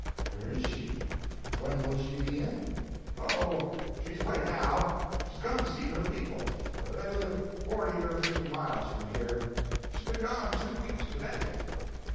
"Where is she? When will she be in?" "Oh, she's away now. She's gone to see her people. They live forty or fifty miles from here. She's been gone two weeks today."